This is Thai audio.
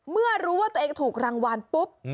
เมื่อรู้ว่าตัวเองถูกรางวัลปุ๊บ